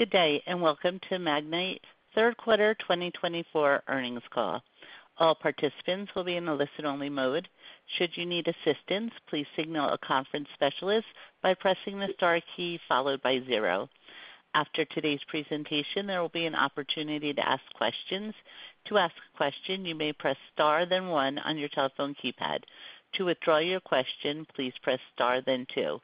Good day, and welcome to Magnite Third Quarter 2024 Earnings Call. All participants will be in a listen-only mode. Should you need assistance, please signal a conference specialist by pressing the star key followed by zero. After today's presentation, there will be an opportunity to ask questions. To ask a question, you may press star then one on your telephone keypad. To withdraw your question, please press star then two.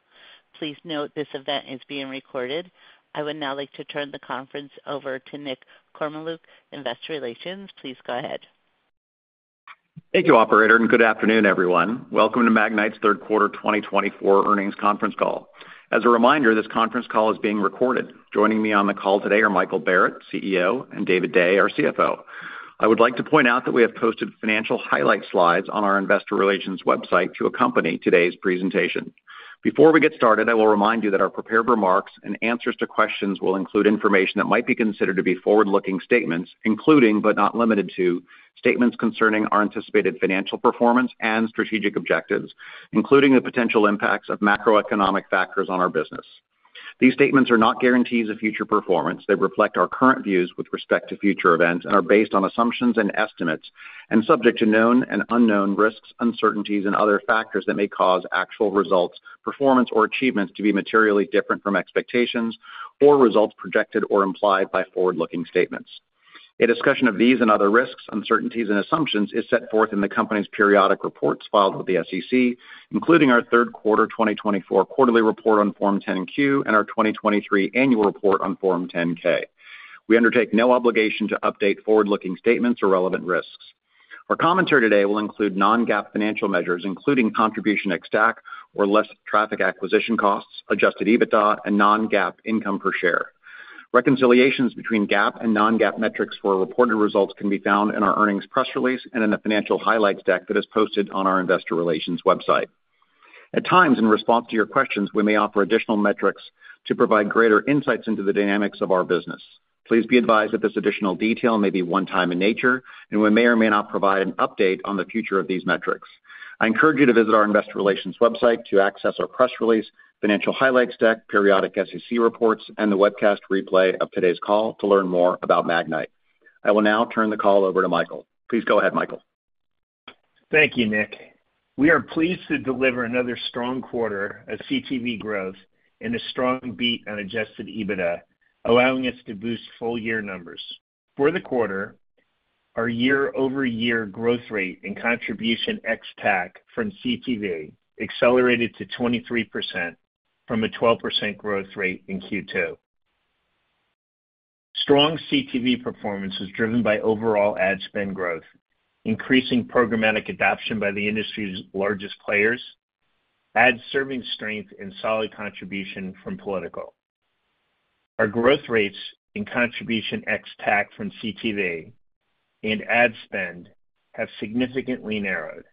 Please note this event is being recorded. I would now like to turn the conference over to Nick Kormeluk, Investor Relations. Please go ahead. Thank you, Operator, and good afternoon, everyone. Welcome to Magnite's Third Quarter 2024 Earnings Conference Call. As a reminder, this conference call is being recorded. Joining me on the call today are Michael Barrett, CEO, and David Day, our CFO. I would like to point out that we have posted financial highlight slides on our Investor Relations website to accompany today's presentation. Before we get started, I will remind you that our prepared remarks and answers to questions will include information that might be considered to be forward-looking statements, including but not limited to statements concerning our anticipated financial performance and strategic objectives, including the potential impacts of macroeconomic factors on our business. These statements are not guarantees of future performance. They reflect our current views with respect to future events and are based on assumptions and estimates and subject to known and unknown risks, uncertainties, and other factors that may cause actual results, performance, or achievements to be materially different from expectations or results projected or implied by forward-looking statements. A discussion of these and other risks, uncertainties, and assumptions is set forth in the company's periodic reports filed with the SEC, including our Third Quarter 2024 quarterly report on Form 10-Q and our 2023 annual report on Form 10-K. We undertake no obligation to update forward-looking statements or relevant risks. Our commentary today will include non-GAAP financial measures, including contribution ex-TAC or less traffic acquisition costs, Adjusted EBITDA, and non-GAAP income per share. Reconciliations between GAAP and non-GAAP metrics for reported results can be found in our earnings press release and in the financial highlights deck that is posted on our Investor Relations website. At times, in response to your questions, we may offer additional metrics to provide greater insights into the dynamics of our business. Please be advised that this additional detail may be one-time in nature, and we may or may not provide an update on the future of these metrics. I encourage you to visit our Investor Relations website to access our press release, financial highlights deck, periodic SEC reports, and the webcast replay of today's call to learn more about Magnite. I will now turn the call over to Michael. Please go ahead, Michael. Thank you, Nick. We are pleased to deliver another strong quarter of CTV growth and a strong beat on Adjusted EBITDA, allowing us to boost full-year numbers. For the quarter, our year-over-year growth rate and contribution ex-TAC from CTV accelerated to 23% from a 12% growth rate in Q2. Strong CTV performance was driven by overall ad spend growth, increasing programmatic adoption by the industry's largest players, ad serving strength, and solid contribution from political. Our growth rates in contribution ex-TAC from CTV and ad spend have significantly narrowed,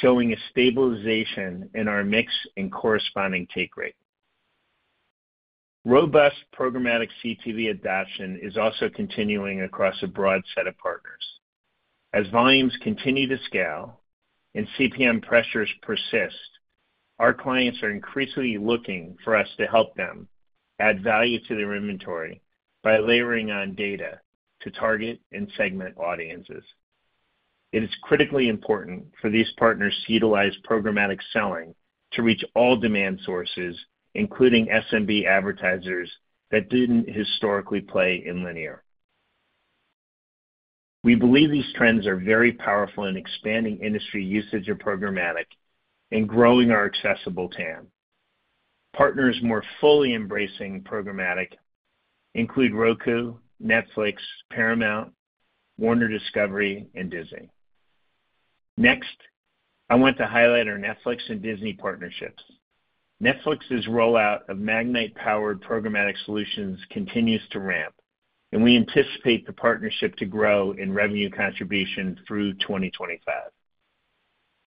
showing a stabilization in our mix and corresponding take rate. Robust programmatic CTV adoption is also continuing across a broad set of partners. As volumes continue to scale and CPM pressures persist, our clients are increasingly looking for us to help them add value to their inventory by layering on data to target and segment audiences. It is critically important for these partners to utilize programmatic selling to reach all demand sources, including SMB advertisers that didn't historically play in linear. We believe these trends are very powerful in expanding industry usage of programmatic and growing our accessible TAM. Partners more fully embracing programmatic include Roku, Netflix, Paramount, Warner Bros. Discovery, and Disney. Next, I want to highlight our Netflix and Disney partnerships. Netflix's rollout of Magnite-powered programmatic solutions continues to ramp, and we anticipate the partnership to grow in revenue contribution through 2025.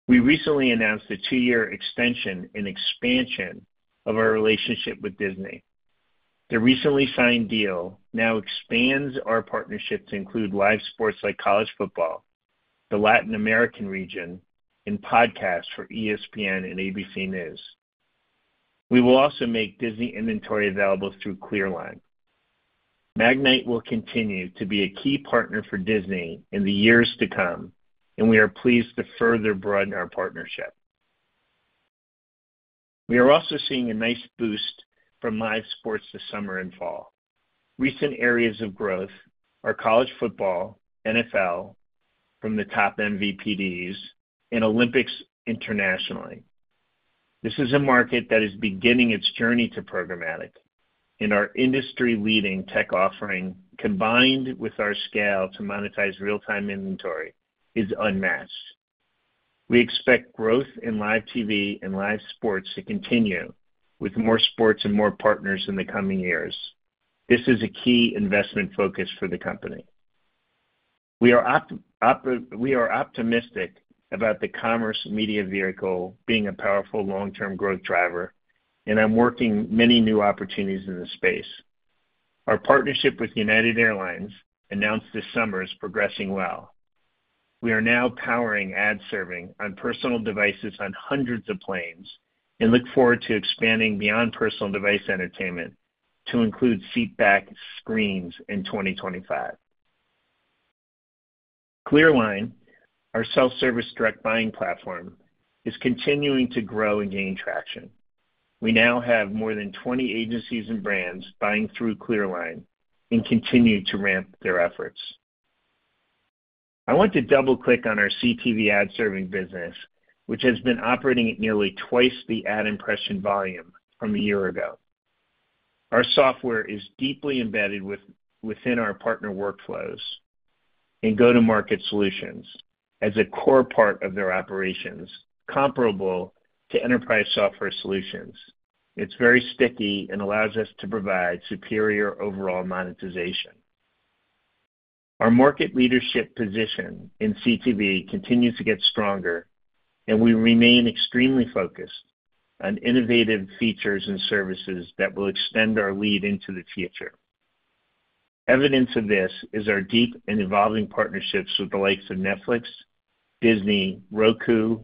We recently announced a two-year extension and expansion of our relationship with Disney. The recently signed deal now expands our partnership to include live sports like college football, Latin America, and podcasts for ESPN and ABC News. We will also make Disney inventory available through Clearline. Magnite will continue to be a key partner for Disney in the years to come, and we are pleased to further broaden our partnership. We are also seeing a nice boost from live sports this summer and fall. Recent areas of growth are college football, NFL from the top MVPDs, and Olympics internationally. This is a market that is beginning its journey to programmatic, and our industry-leading tech offering, combined with our scale to monetize real-time inventory, is unmatched. We expect growth in live TV and live sports to continue with more sports and more partners in the coming years. This is a key investment focus for the company. We are optimistic about the commerce media vehicle being a powerful long-term growth driver, and I'm working on many new opportunities in this space. Our partnership with United Airlines announced this summer is progressing well. We are now powering ad serving on personal devices on hundreds of planes and look forward to expanding beyond personal device entertainment to include seatback screens in 2025. Clearline, our self-service direct buying platform, is continuing to grow and gain traction. We now have more than 20 agencies and brands buying through Clearline and continue to ramp their efforts. I want to double-click on our CTV ad serving business, which has been operating at nearly twice the ad impression volume from a year ago. Our software is deeply embedded within our partner workflows and go-to-market solutions as a core part of their operations, comparable to enterprise software solutions. It's very sticky and allows us to provide superior overall monetization. Our market leadership position in CTV continues to get stronger, and we remain extremely focused on innovative features and services that will extend our lead into the future. Evidence of this is our deep and evolving partnerships with the likes of Netflix, Disney, Roku,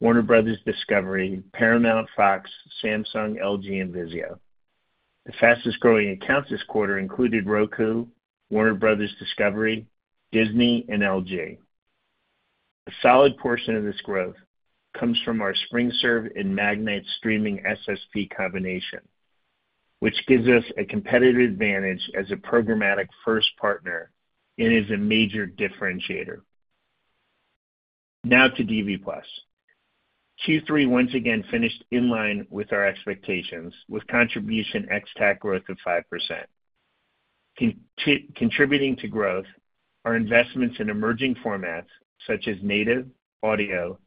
Warner Bros. Discovery, Paramount, Fox, Samsung, LG, and Vizio. The fastest-growing accounts this quarter included Roku, Warner Bros. Discovery, Disney, and LG. A solid portion of this growth comes from our SpringServe and Magnite Streaming SSP combination, which gives us a competitive advantage as a programmatic first partner and is a major differentiator. Now to DV+. Q3 once again finished in line with our expectations with contribution ex-TAC growth of 5%. Contributing to growth are investments in emerging formats such as native audio,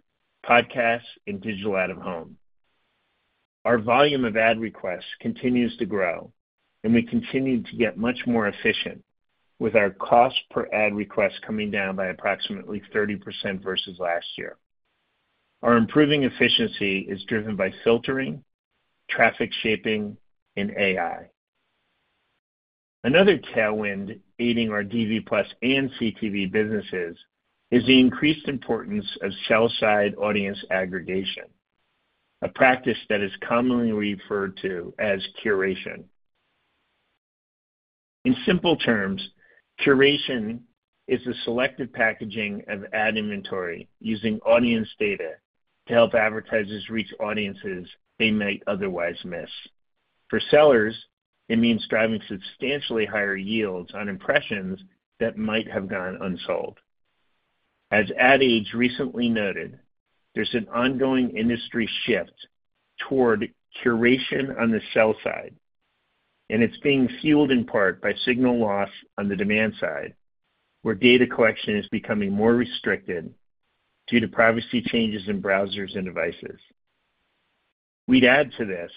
podcasts, and digital out-of-home. Our volume of ad requests continues to grow, and we continue to get much more efficient with our cost per ad request coming down by approximately 30% versus last year. Our improving efficiency is driven by filtering, traffic shaping, and AI. Another tailwind aiding our DV+ and CTV businesses is the increased importance of sell-side audience aggregation, a practice that is commonly referred to as curation. In simple terms, curation is the selective packaging of ad inventory using audience data to help advertisers reach audiences they might otherwise miss. For sellers, it means driving substantially higher yields on impressions that might have gone unsold. As Ad Age recently noted, there's an ongoing industry shift toward curation on the sell side, and it's being fueled in part by signal loss on the demand side, where data collection is becoming more restricted due to privacy changes in browsers and devices. We'd add to this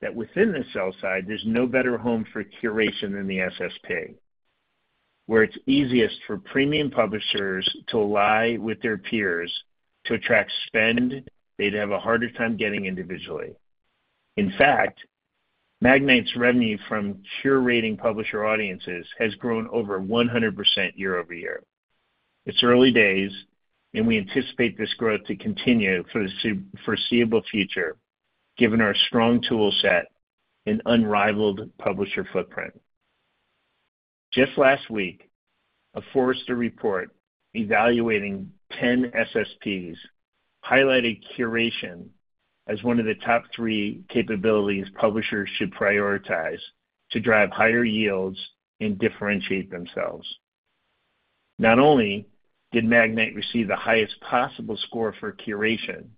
that within the sell side, there's no better home for curation than the SSP, where it's easiest for premium publishers to ally with their peers to attract spend they'd have a harder time getting individually. In fact, Magnite's revenue from curating publisher audiences has grown over 100% year-over-year. It's early days, and we anticipate this growth to continue for the foreseeable future, given our strong toolset and unrivaled publisher footprint. Just last week, a Forrester report evaluating 10 SSPs highlighted curation as one of the top three capabilities publishers should prioritize to drive higher yields and differentiate themselves. Not only did Magnite receive the highest possible score for curation,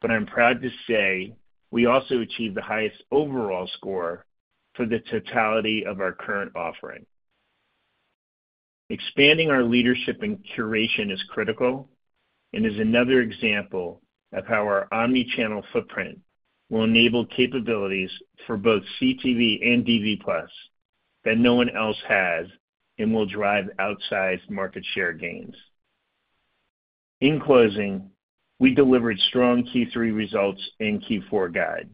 but I'm proud to say we also achieved the highest overall score for the totality of our current offering. Expanding our leadership in curation is critical and is another example of how our omnichannel footprint will enable capabilities for both CTV and DV+ that no one else has and will drive outsized market share gains. In closing, we delivered strong Q3 results and Q4 guide.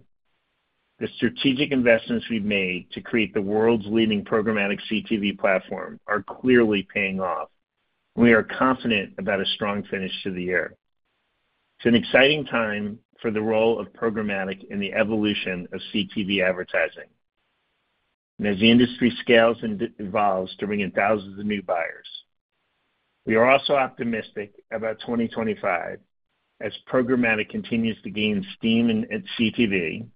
The strategic investments we've made to create the world's leading programmatic CTV platform are clearly paying off, and we are confident about a strong finish to the year. It's an exciting time for the role of programmatic in the evolution of CTV advertising, and as the industry scales and evolves to bring in thousands of new buyers. We are also optimistic about 2025 as programmatic continues to gain steam at CTV.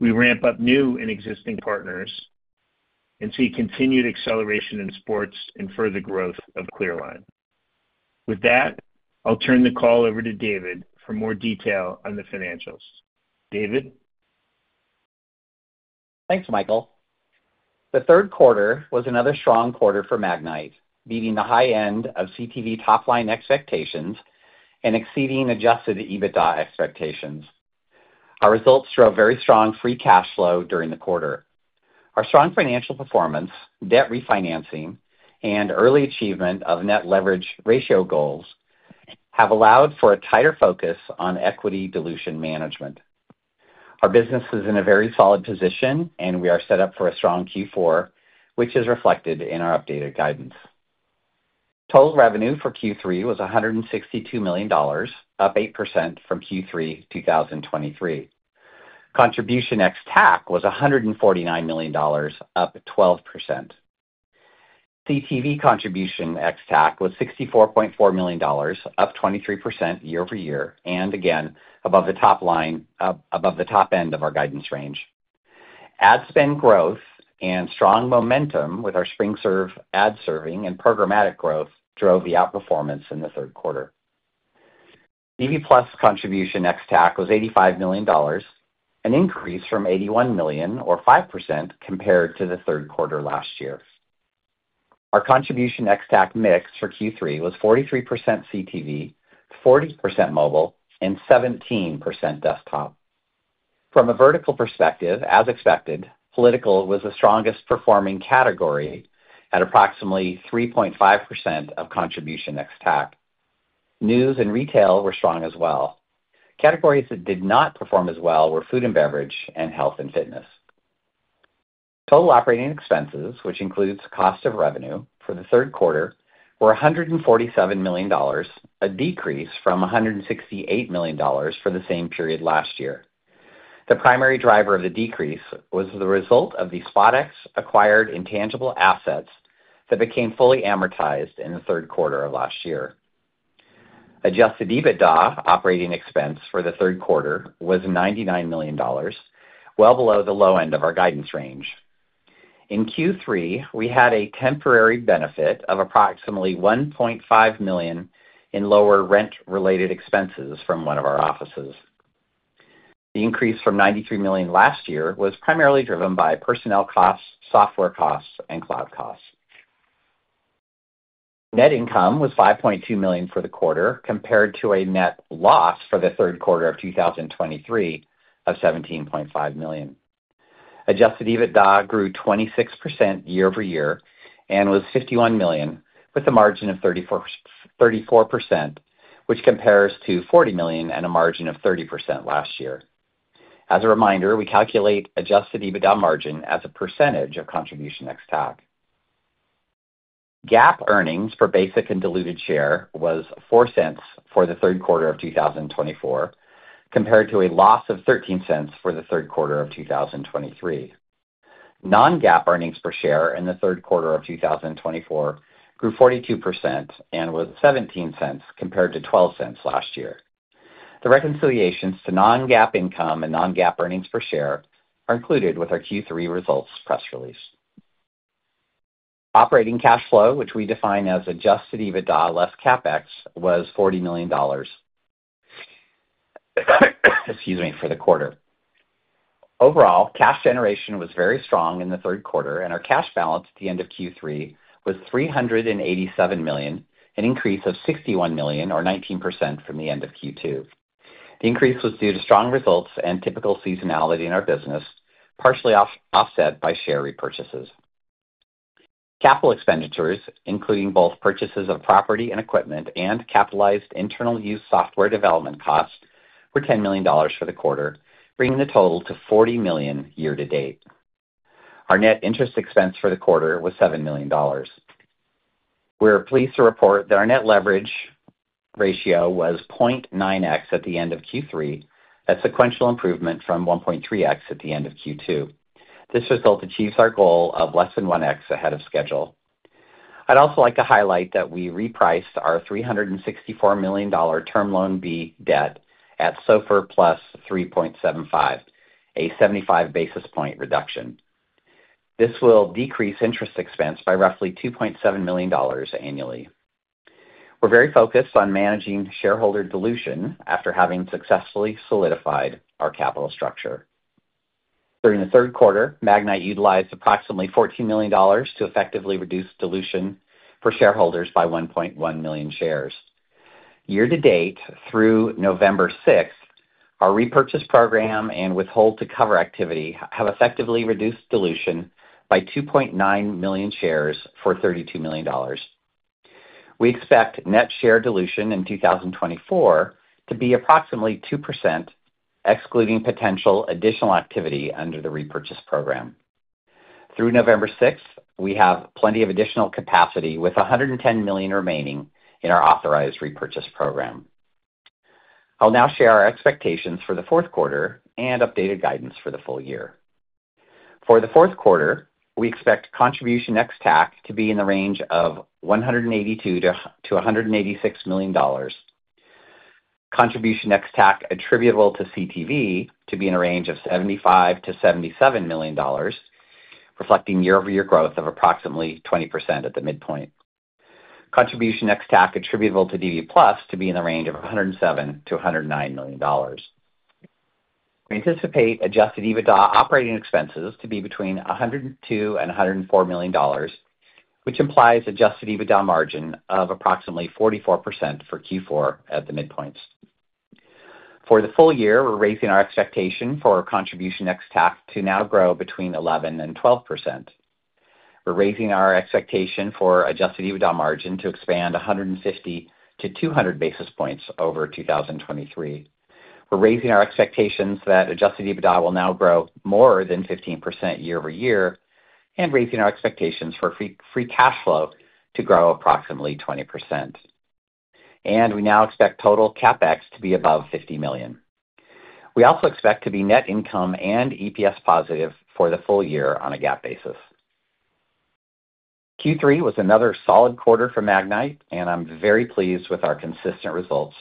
We ramp up new and existing partners and see continued acceleration in sports and further growth of Clearline. With that, I'll turn the call over to David for more detail on the financials. David? Thanks, Michael. The third quarter was another strong quarter for Magnite, meeting the high end of CTV top-line expectations and exceeding Adjusted EBITDA expectations. Our results drove very strong free cash flow during the quarter. Our strong financial performance, debt refinancing, and early achievement of net leverage ratio goals have allowed for a tighter focus on equity dilution management. Our business is in a very solid position, and we are set up for a strong Q4, which is reflected in our updated guidance. Total revenue for Q3 was $162 million, up 8% from Q3 2023. Contribution ex-TAC was $149 million, up 12%. CTV contribution ex-TAC was $64.4 million, up 23% year-over-year, and again, above the top end of our guidance range. Ad spend growth and strong momentum with our SpringServe ad serving and programmatic growth drove the outperformance in the third quarter. DV+ contribution ex-TAC was $85 million, an increase from $81 million, or 5%, compared to the third quarter last year. Our contribution ex-TAC mix for Q3 was 43% CTV, 40% mobile, and 17% desktop. From a vertical perspective, as expected, political was the strongest performing category at approximately 3.5% of contribution ex-TAC. News and retail were strong as well. Categories that did not perform as well were food and beverage and health and fitness. Total operating expenses, which includes cost of revenue for the third quarter, were $147 million, a decrease from $168 million for the same period last year. The primary driver of the decrease was the result of the SpotX acquired intangible assets that became fully amortized in the third quarter of last year. Adjusted EBITDA operating expense for the third quarter was $99 million, well below the low end of our guidance range. In Q3, we had a temporary benefit of approximately $1.5 million in lower rent-related expenses from one of our offices. The increase from $93 million last year was primarily driven by personnel costs, software costs, and cloud costs. Net income was $5.2 million for the quarter, compared to a net loss for the third quarter of 2023 of $17.5 million. Adjusted EBITDA grew 26% year-over-year and was $51 million, with a margin of 34%, which compares to $40 million and a margin of 30% last year. As a reminder, we calculate adjusted EBITDA margin as a percentage of contribution ex-TAC. GAAP earnings per basic and diluted share was $0.04 for the third quarter of 2024, compared to a loss of $0.13 for the third quarter of 2023. Non-GAAP earnings per share in the third quarter of 2024 grew 42% and was $0.17, compared to $0.12 last year. The reconciliations to non-GAAP income and non-GAAP earnings per share are included with our Q3 results press release. Operating cash flow, which we define as Adjusted EBITDA less CapEx, was $40 million for the quarter. Overall, cash generation was very strong in the third quarter, and our cash balance at the end of Q3 was $387 million, an increase of $61 million, or 19%, from the end of Q2. The increase was due to strong results and typical seasonality in our business, partially offset by share repurchases. Capital expenditures, including both purchases of property and equipment and capitalized internal use software development costs, were $10 million for the quarter, bringing the total to $40 million year to date. Our net interest expense for the quarter was $7 million. We're pleased to report that our net leverage ratio was 0.9x at the end of Q3, a sequential improvement from 1.3x at the end of Q2. This result achieves our goal of less than 1x ahead of schedule. I'd also like to highlight that we repriced our $364 million Term Loan B debt at SOFR plus 3.75, a 75 basis point reduction. This will decrease interest expense by roughly $2.7 million annually. We're very focused on managing shareholder dilution after having successfully solidified our capital structure. During the third quarter, Magnite utilized approximately $14 million to effectively reduce dilution for shareholders by 1.1 million shares. Year to date, through November 6th, our repurchase program and withhold-to-cover activity have effectively reduced dilution by 2.9 million shares for $32 million. We expect net share dilution in 2024 to be approximately 2%, excluding potential additional activity under the repurchase program. Through November 6th, we have plenty of additional capacity with $110 million remaining in our authorized repurchase program. I'll now share our expectations for the fourth quarter and updated guidance for the full year. For the fourth quarter, we expect contribution ex-TAC to be in the range of $182 million-$186 million. Contribution ex-TAC attributable to CTV to be in a range of $75 million-$77 million, reflecting year-over-year growth of approximately 20% at the midpoint. Contribution ex-TAC attributable to DV+ to be in the range of $107 million-$109 million. We anticipate Adjusted EBITDA operating expenses to be between $102 million-$104 million, which implies Adjusted EBITDA margin of approximately 44% for Q4 at the midpoint. For the full year, we're raising our expectation for contribution ex-TAC to now grow between 11%-12%. We're raising our expectation for Adjusted EBITDA margin to expand 150-200 basis points over 2023. We're raising our expectations that Adjusted EBITDA will now grow more than 15% year-over-year and raising our expectations for free cash flow to grow approximately 20%. We now expect total CapEx to be above $50 million. We also expect to be net income and EPS positive for the full year on a GAAP basis. Q3 was another solid quarter for Magnite, and I'm very pleased with our consistent results.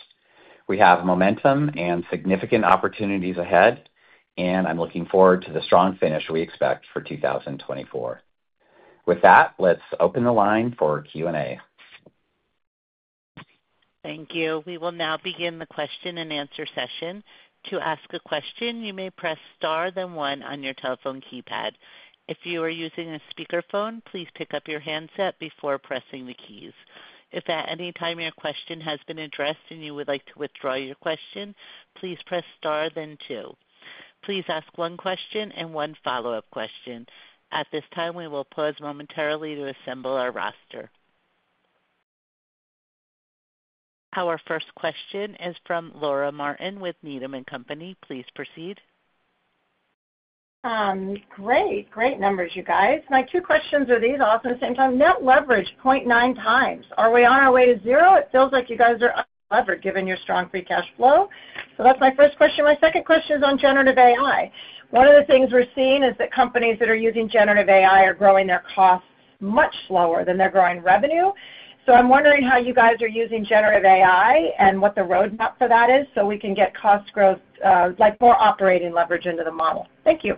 We have momentum and significant opportunities ahead, and I'm looking forward to the strong finish we expect for 2024. With that, let's open the line for Q&A. Thank you. We will now begin the question and answer session. To ask a question, you may press star then one on your telephone keypad. If you are using a speakerphone, please pick up your handset before pressing the keys. If at any time your question has been addressed and you would like to withdraw your question, please press star then two. Please ask one question and one follow-up question. At this time, we will pause momentarily to assemble our roster. Our first question is from Laura Martin with Needham & Company. Please proceed. Great, great numbers, you guys. My two questions are these all at the same time. Net leverage, 0.9 times. Are we on our way to zero? It feels like you guys are unlevered given your strong free cash flow. So that's my first question. My second question is on generative AI. One of the things we're seeing is that companies that are using generative AI are growing their costs much slower than they're growing revenue. So I'm wondering how you guys are using generative AI and what the roadmap for that is so we can get cost growth, like more operating leverage into the model. Thank you.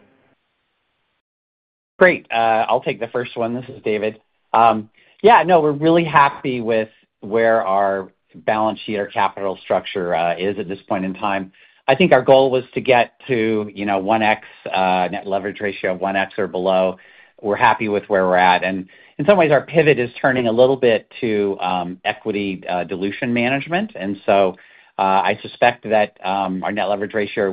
Great. I'll take the first one. This is David. Yeah, no, we're really happy with where our balance sheet or capital structure is at this point in time. I think our goal was to get to 1x net leverage ratio of 1x or below. We're happy with where we're at. And in some ways, our pivot is turning a little bit to equity dilution management. And so I suspect that our net leverage ratio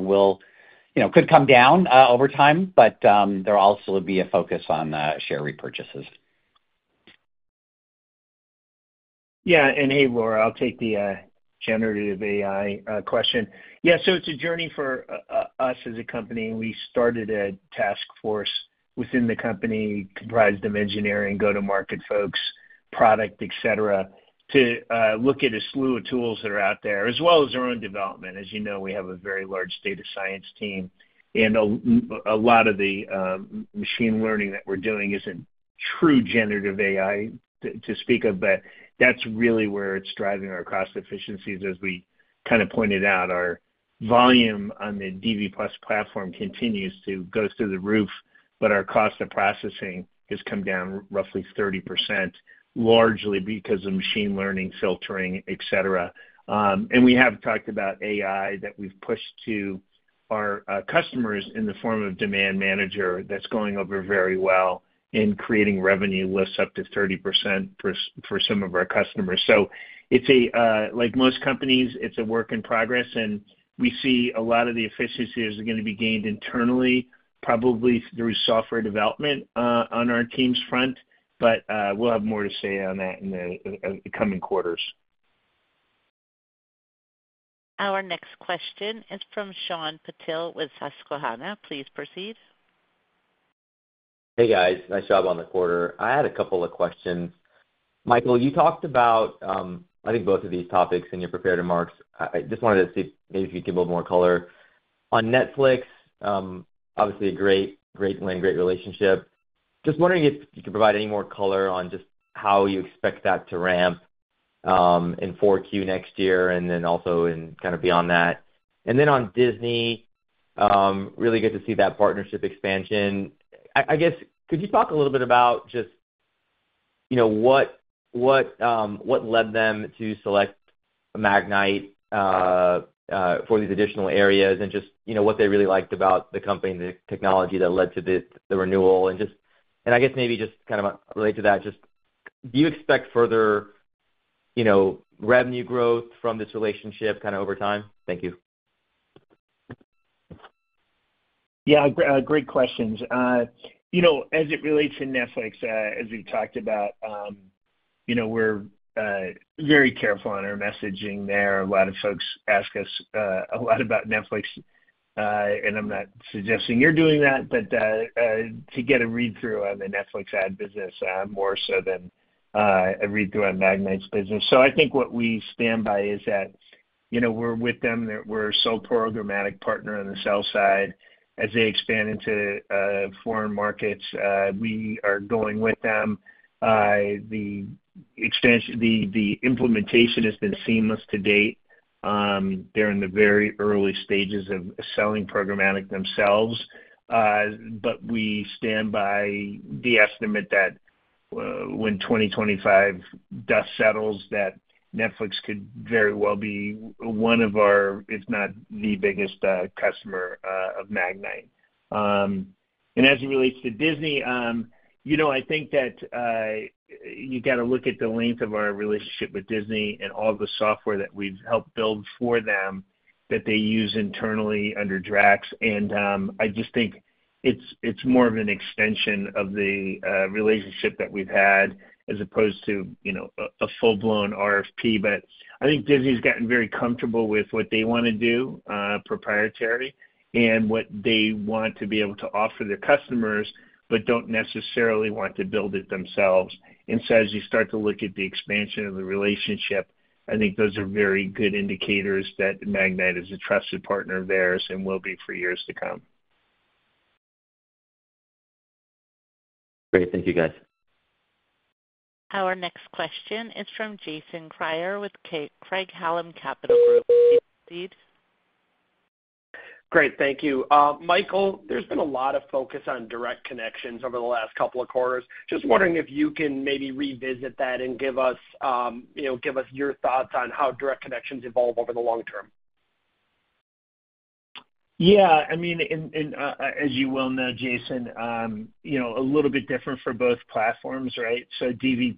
could come down over time, but there also will be a focus on share repurchases. Yeah. And hey, Laura, I'll take the generative AI question. Yeah, so it's a journey for us as a company. We started a task force within the company comprised of engineering, go-to-market folks, product, etc., to look at a slew of tools that are out there, as well as our own development. As you know, we have a very large data science team, and a lot of the machine learning that we're doing isn't true generative AI to speak of, but that's really where it's driving our cost efficiencies. As we kind of pointed out, our volume on the DV+ platform continues to go through the roof, but our cost of processing has come down roughly 30%, largely because of machine learning, filtering, etc. We have talked about AI that we've pushed to our customers in the form of Demand Manager that's going over very well in creating revenue lifts up to 30% for some of our customers. Like most companies, it's a work in progress, and we see a lot of the efficiencies are going to be gained internally, probably through software development on our team's front, but we'll have more to say on that in the coming quarters. Our next question is from Shyam Patil with Susquehanna. Please proceed. Hey, guys. Nice job on the quarter. I had a couple of questions. Michael, you talked about, I think, both of these topics in your prepared remarks. I just wanted to see maybe if you could give a little more color. On Netflix, obviously a great win, great relationship. Just wondering if you could provide any more color on just how you expect that to ramp in 4Q next year and then also kind of beyond that. And then on Disney, really good to see that partnership expansion. I guess, could you talk a little bit about just what led them to select Magnite for these additional areas and just what they really liked about the company and the technology that led to the renewal? And I guess maybe just kind of relate to that, just do you expect further revenue growth from this relationship kind of over time? Thank you. Yeah, great questions. As it relates to Netflix, as we've talked about, we're very careful on our messaging there. A lot of folks ask us a lot about Netflix, and I'm not suggesting you're doing that, but to get a read-through on the Netflix ad business more so than a read-through on Magnite's business. So I think what we stand by is that we're with them. We're a sole programmatic partner on the sell side. As they expand into foreign markets, we are going with them. The implementation has been seamless to date. They're in the very early stages of selling programmatic themselves, but we stand by the estimate that when 2025 dust settles, that Netflix could very well be one of our, if not the biggest customer of Magnite. And as it relates to Disney, I think that you got to look at the length of our relationship with Disney and all the software that we've helped build for them that they use internally under DRAX. And I just think it's more of an extension of the relationship that we've had as opposed to a full-blown RFP. But I think Disney's gotten very comfortable with what they want to do, proprietary, and what they want to be able to offer their customers, but don't necessarily want to build it themselves. And so as you start to look at the expansion of the relationship, I think those are very good indicators that Magnite is a trusted partner of theirs and will be for years to come. Great. Thank you, guys. Our next question is from Jason Kreyer with Craig-Hallum Capital Group. Jason, please. Great. Thank you. Michael, there's been a lot of focus on direct connections over the last couple of quarters. Just wondering if you can maybe revisit that and give us your thoughts on how direct connections evolve over the long term. Yeah. I mean, as you well know, Jason, a little bit different for both platforms, right? So DV+,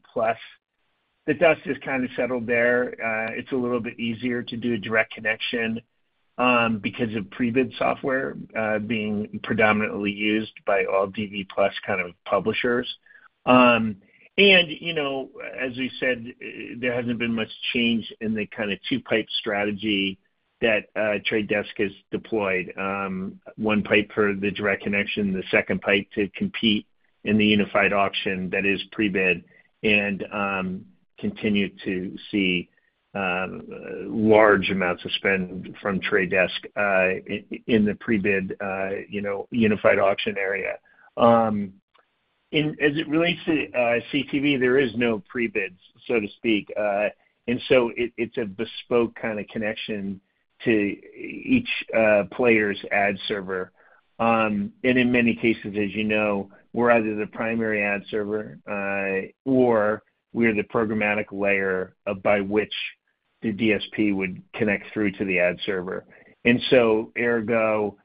the dust has kind of settled there. It's a little bit easier to do a direct connection because of Prebid software being predominantly used by all DV+ kind of publishers. And as we said, there hasn't been much change in the kind of two-pipe strategy that Trade Desk has deployed. One pipe for the direct connection, the second pipe to compete in the unified auction that is Prebid, and continue to see large amounts of spend from Trade Desk in the Prebid unified auction area. As it relates to CTV, there is no Prebid, so to speak. And so it's a bespoke kind of connection to each player's ad server. And in many cases, as you know, we're either the primary ad server or we're the programmatic layer by which the DSP would connect through to the ad server. And so ergo,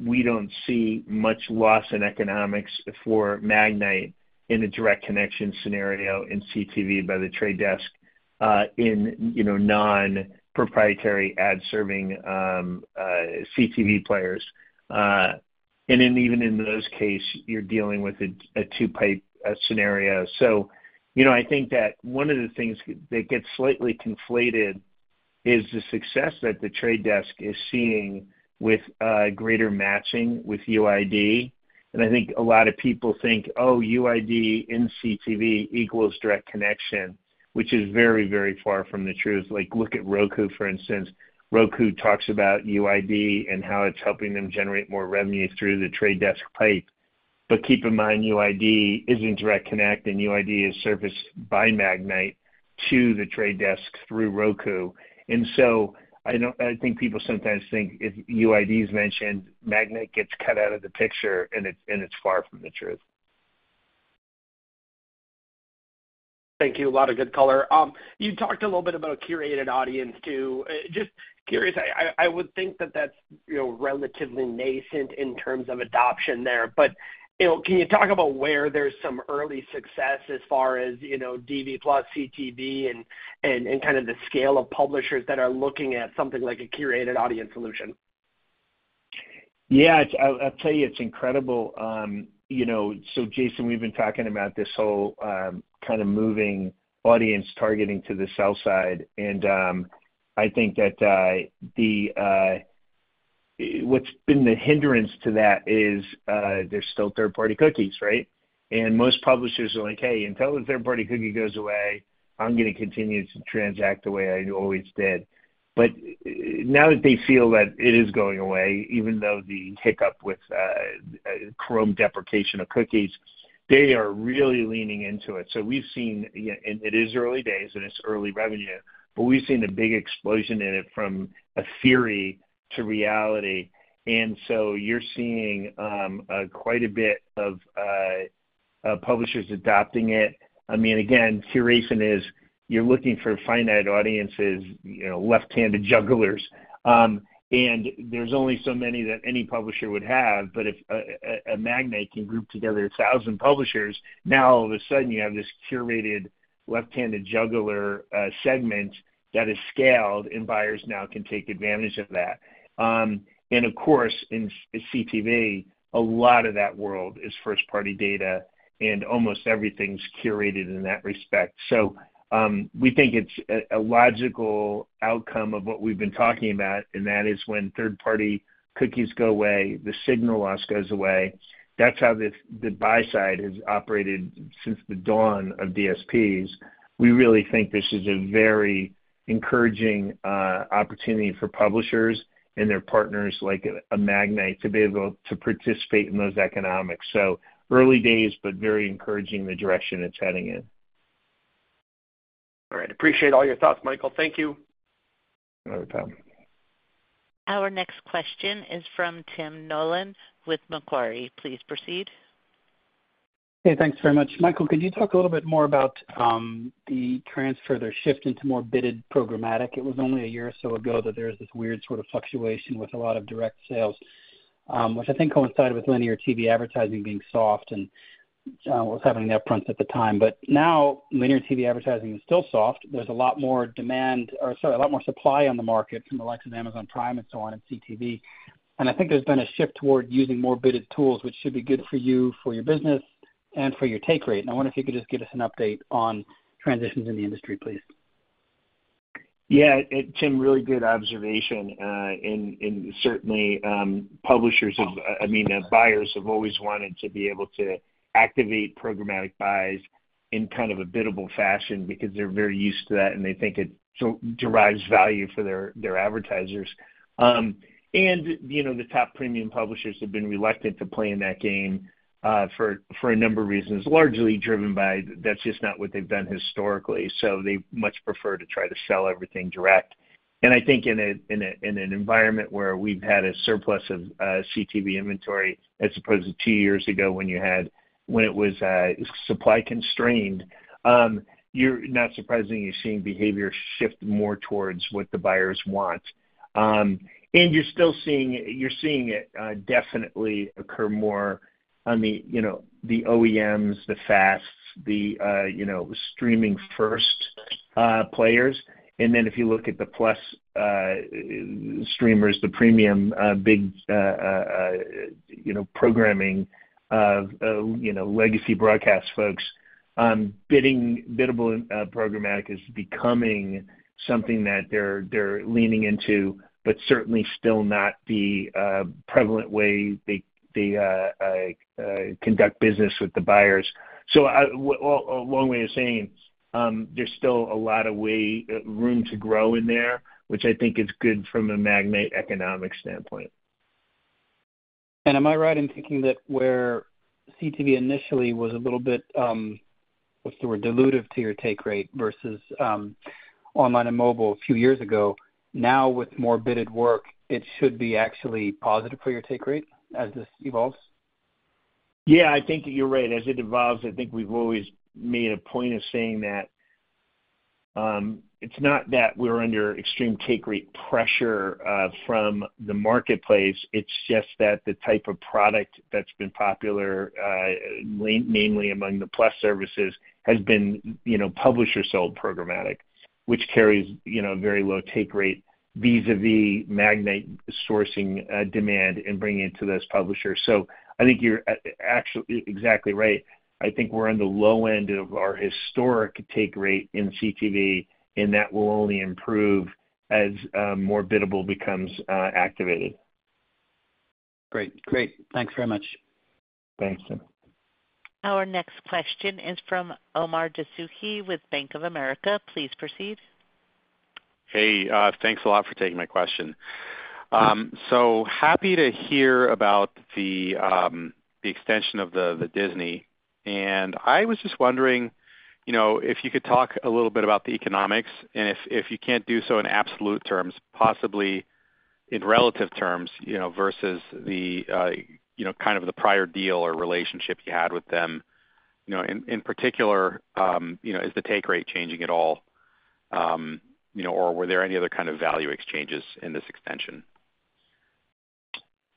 we don't see much loss in economics for Magnite in a direct connection scenario in CTV by The Trade Desk in non-proprietary ad-serving CTV players. And then even in those cases, you're dealing with a two-pipe scenario. So I think that one of the things that gets slightly conflated is the success that The Trade Desk is seeing with greater matching with UID. And I think a lot of people think, "Oh, UID in CTV equals direct connection," which is very, very far from the truth. Look at Roku, for instance. Roku talks about UID and how it's helping them generate more revenue through The Trade Desk pipe. But keep in mind, UID isn't direct connect, and UID is serviced by Magnite to The Trade Desk through Roku, and so I think people sometimes think if UID is mentioned, Magnite gets cut out of the picture, and it's far from the truth. Thank you. A lot of good color. You talked a little bit about a curated audience too. Just curious, I would think that that's relatively nascent in terms of adoption there, but can you talk about where there's some early success as far as DV+, CTV, and kind of the scale of publishers that are looking at something like a curated audience solution? Yeah. I'll tell you, it's incredible. So Jason, we've been talking about this whole kind of moving audience targeting to the sell side. And I think that what's been the hindrance to that is there's still third-party cookies, right? And most publishers are like, "Hey, until the third-party cookie goes away, I'm going to continue to transact the way I always did." But now that they feel that it is going away, even though the hiccup with Chrome deprecation of cookies, they are really leaning into it. So we've seen, and it is early days, and it's early revenue, but we've seen a big explosion in it from a theory to reality. And so you're seeing quite a bit of publishers adopting it. I mean, again, curation is you're looking for finite audiences, left-handed jugglers. And there's only so many that any publisher would have. But if Magnite can group together 1,000 publishers, now all of a sudden you have this curated left-handed juggler segment that is scaled, and buyers now can take advantage of that. And of course, in CTV, a lot of that world is first-party data, and almost everything's curated in that respect. So we think it's a logical outcome of what we've been talking about, and that is when third-party cookies go away, the signal loss goes away. That's how the buy side has operated since the dawn of DSPs. We really think this is a very encouraging opportunity for publishers and their partners like Magnite to be able to participate in those economics. So early days, but very encouraging, the direction it's heading in. All right. Appreciate all your thoughts, Michael. Thank you. No problem. Our next question is from Tim Nollen with Macquarie. Please proceed. Hey, thanks very much. Michael, could you talk a little bit more about the transfer or the shift into more biddable programmatic? It was only a year or so ago that there was this weird sort of fluctuation with a lot of direct sales, which I think coincided with Linear TV advertising being soft and what was happening upfront at the time. But now, Linear TV advertising is still soft. There's a lot more demand or sorry, a lot more supply on the market from the likes of Amazon Prime and so on in CTV. And I think there's been a shift toward using more biddable tools, which should be good for you, for your business, and for your take rate. And I wonder if you could just give us an update on transitions in the industry, please. Yeah. Tim, really good observation. And certainly, publishers have, I mean, buyers have always wanted to be able to activate programmatic buys in kind of a biddable fashion because they're very used to that, and they think it derives value for their advertisers. And the top premium publishers have been reluctant to play in that game for a number of reasons, largely driven by that's just not what they've done historically. So they much prefer to try to sell everything direct. And I think in an environment where we've had a surplus of CTV inventory as opposed to two years ago when it was supply constrained, you're not surprisingly seeing behavior shift more towards what the buyers want. And you're seeing it definitely occur more on the OEMs, the FAST, the streaming-first players. And then if you look at the Plus streamers, the premium big programming of legacy broadcast folks, biddable programmatic is becoming something that they're leaning into, but certainly still not the prevalent way they conduct business with the buyers. So a long way of saying there's still a lot of room to grow in there, which I think is good from a Magnite economic standpoint. Am I right in thinking that where CTV initially was a little bit, what's the word, dilutive to your take rate versus online and mobile a few years ago, now with more bidded work, it should be actually positive for your take rate as this evolves? Yeah. I think you're right. As it evolves, I think we've always made a point of saying that it's not that we're under extreme take rate pressure from the marketplace. It's just that the type of product that's been popular, mainly among the Plus services, has been publisher-sold programmatic, which carries a very low take rate vis-à-vis Magnite sourcing demand and bringing it to those publishers. So I think you're actually exactly right. I think we're on the low end of our historic take rate in CTV, and that will only improve as more biddable becomes activated. Great. Great. Thanks very much. Thanks, Tim. Our next question is from Omar Dessouky with Bank of America. Please proceed. Hey, thanks a lot for taking my question, so happy to hear about the extension of the Disney, and I was just wondering if you could talk a little bit about the economics, and if you can't do so in absolute terms, possibly in relative terms versus kind of the prior deal or relationship you had with them. In particular, is the take rate changing at all, or were there any other kind of value exchanges in this extension?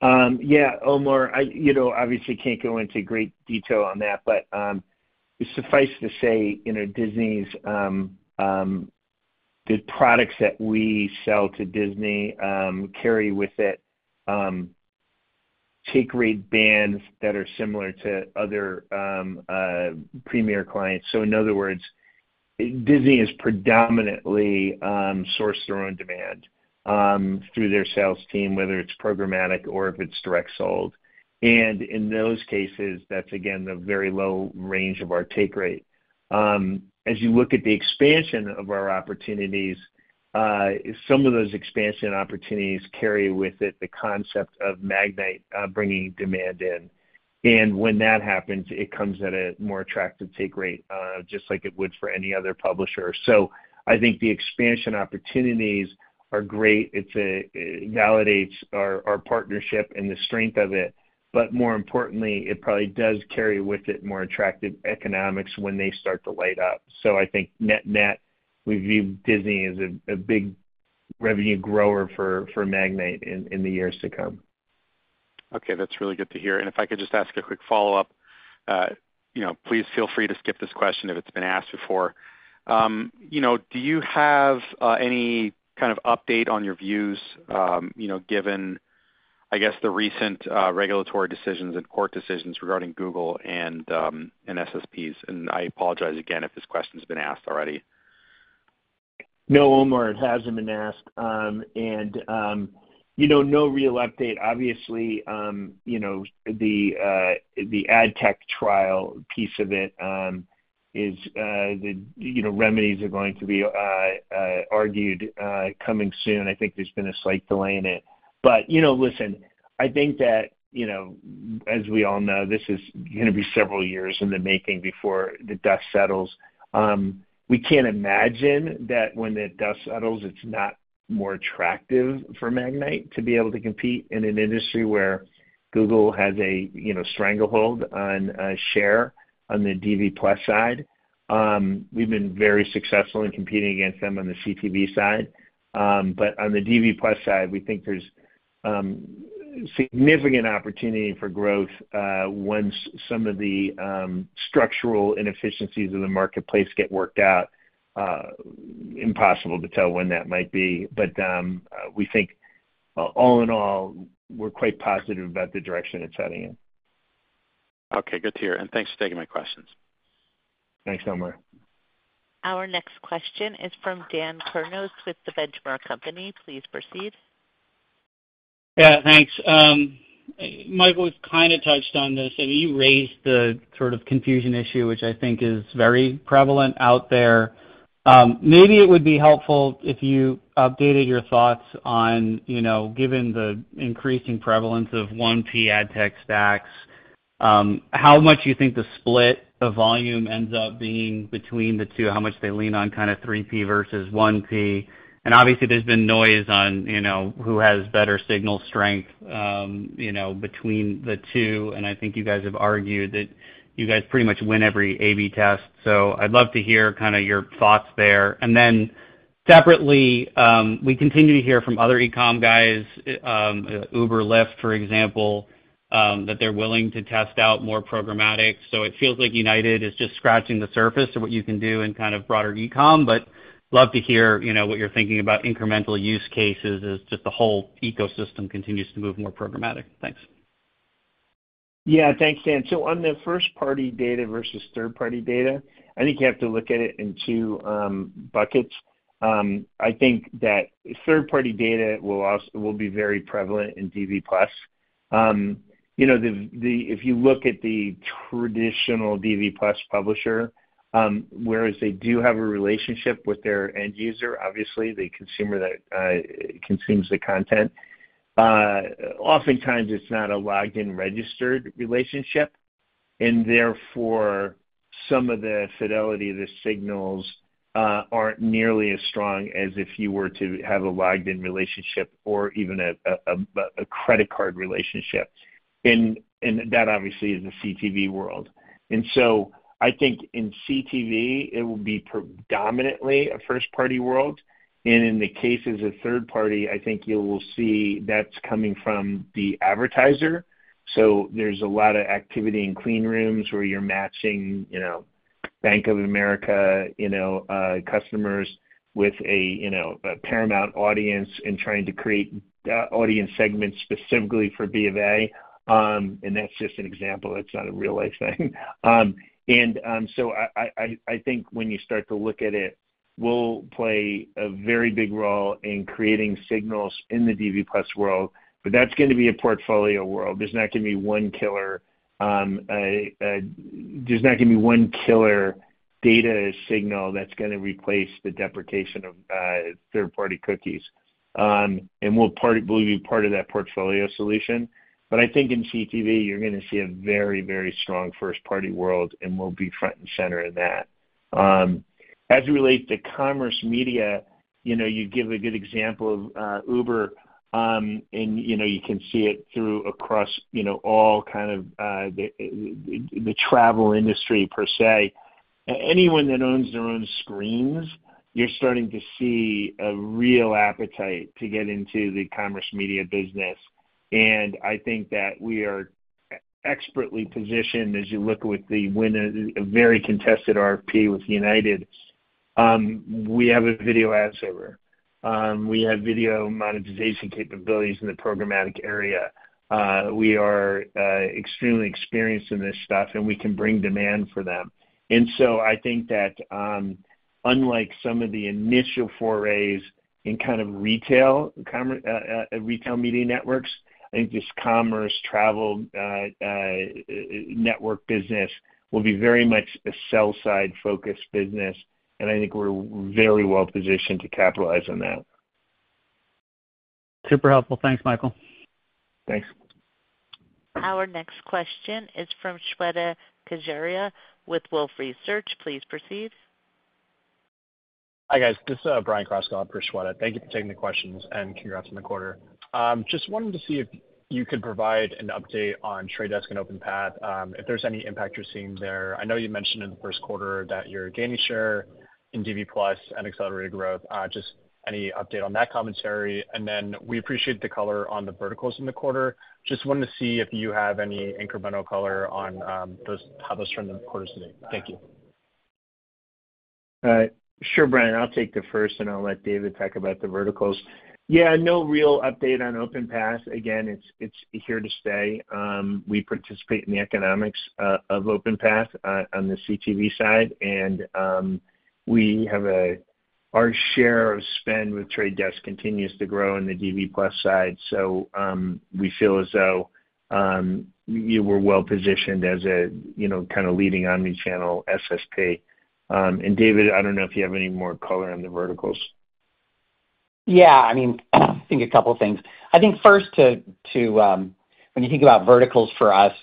Yeah. Omar, obviously, can't go into great detail on that, but suffice to say, Disney's products that we sell to Disney carry with it take rate bands that are similar to other premier clients. So in other words, Disney has predominantly sourced their own demand through their sales team, whether it's programmatic or if it's direct sold. And in those cases, that's, again, the very low range of our take rate. As you look at the expansion of our opportunities, some of those expansion opportunities carry with it the concept of Magnite bringing demand in. And when that happens, it comes at a more attractive take rate, just like it would for any other publisher. So I think the expansion opportunities are great. It validates our partnership and the strength of it. But more importantly, it probably does carry with it more attractive economics when they start to light up. So I think net-net, we view Disney as a big revenue grower for Magnite in the years to come. Okay. That's really good to hear. And if I could just ask a quick follow-up, please feel free to skip this question if it's been asked before. Do you have any kind of update on your views given, I guess, the recent regulatory decisions and court decisions regarding Google and SSPs? And I apologize again if this question's been asked already. No, Omar, it hasn't been asked, and no real update. Obviously, the ad tech trial piece of it is the remedies are going to be argued coming soon. I think there's been a slight delay in it, but listen, I think that as we all know, this is going to be several years in the making before the dust settles. We can't imagine that when the dust settles, it's not more attractive for Magnite to be able to compete in an industry where Google has a stranglehold on a share on the DV+ side. We've been very successful in competing against them on the CTV side, but on the DV+ side, we think there's significant opportunity for growth once some of the structural inefficiencies of the marketplace get worked out. Impossible to tell when that might be. But we think, all in all, we're quite positive about the direction it's heading in. Okay. Good to hear, and thanks for taking my questions. Thanks, Omar. Our next question is from Dan Kurnos with The Benchmark Company. Please proceed. Yeah. Thanks. Michael has kind of touched on this. I mean, you raised the sort of confusion issue, which I think is very prevalent out there. Maybe it would be helpful if you updated your thoughts on, given the increasing prevalence of 1P ad tech stacks, how much you think the split of volume ends up being between the two, how much they lean on kind of 3P versus 1P. And obviously, there's been noise on who has better signal strength between the two. And I think you guys have argued that you guys pretty much win every A/B test. So I'd love to hear kind of your thoughts there. And then separately, we continue to hear from other e-com guys, Uber, Lyft, for example, that they're willing to test out more programmatic. So it feels like United is just scratching the surface of what you can do in kind of broader e-com, but love to hear what you're thinking about incremental use cases as just the whole ecosystem continues to move more programmatic. Thanks. Yeah. Thanks, Dan. So on the first-party data versus third-party data, I think you have to look at it in two buckets. I think that third-party data will be very prevalent in DV+. If you look at the traditional DV+ publisher, whereas they do have a relationship with their end user, obviously, the consumer that consumes the content, oftentimes, it's not a logged-in registered relationship. And therefore, some of the fidelity of the signals aren't nearly as strong as if you were to have a logged-in relationship or even a credit card relationship. And that, obviously, is the CTV world. And so I think in CTV, it will be predominantly a first-party world. And in the cases of third-party, I think you will see that's coming from the advertiser. There's a lot of activity in clean rooms where you're matching Bank of America customers with a Paramount audience and trying to create audience segments specifically for B of A. That's just an example. It's not a real-life thing. I think when you start to look at it, will play a very big role in creating signals in the DV+ world. That's going to be a portfolio world. There's not going to be one killer data signal that's going to replace the deprecation of third-party cookies. We'll be part of that portfolio solution. I think in CTV, you're going to see a very, very strong first-party world, and we'll be front and center in that. As it relates to commerce media, you give a good example of Uber, and you can see it throughout across all kinds of the travel industry per se. Anyone that owns their own screens, you're starting to see a real appetite to get into the commerce media business, and I think that we are expertly positioned as you look at the very contested RFP with United. We have a video ad server. We have video monetization capabilities in the programmatic area. We are extremely experienced in this stuff, and we can bring demand for them, so I think that unlike some of the initial forays in kind of retail media networks, I think this commerce travel network business will be very much a sell-side-focused business, and I think we're very well positioned to capitalize on that. Super helpful. Thanks, Michael. Thanks. Our next question is from Shweta Khajuria with Wolfe Research. Please proceed. Hi guys. This is Brian Kroscup for Shweta. Thank you for taking the questions and congrats on the quarter. Just wanted to see if you could provide an update on Trade Desk and OpenPath, if there's any impact you're seeing there. I know you mentioned in the first quarter that your gaming share in DV+ and accelerated growth, just any update on that commentary. And then we appreciate the color on the verticals in the quarter. Just wanted to see if you have any incremental color on how those turned in the quarter today. Thank you. Sure, Brian. I'll take the first, and I'll let David talk about the verticals. Yeah. No real update on OpenPath. Again, it's here to stay. We participate in the economics of OpenPath on the CTV side. And our share of spend with Trade Desk continues to grow on the DV+ side. So we feel as though we're well positioned as a kind of leading omnichannel SSP. And David, I don't know if you have any more color on the verticals. Yeah. I mean, I think a couple of things. I think first, when you think about verticals for us,